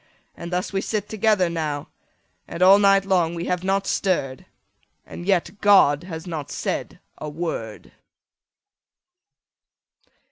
And thus we sit together now, And all night long we have not stirr'd, And yet God has not said a word!